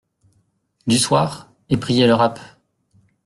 du soir, est priée le rapp.